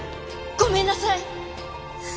ごめんなさい！